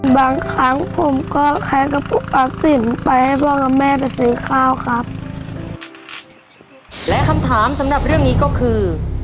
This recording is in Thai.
บางครั้งผมก็ขายกระปุกอักสินไปให้พ่อกับแม่ไปซื้อข้าวครับและคำถามสำหรับเรื่องนี้ก็คือ